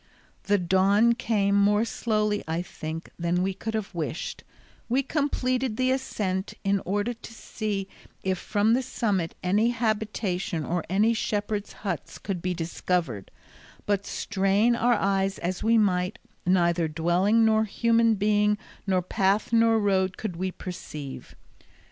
The dawn came, more slowly, I think, than we could have wished; we completed the ascent in order to see if from the summit any habitation or any shepherds' huts could be discovered, but strain our eyes as we might, neither dwelling, nor human being, nor path nor road could we perceive.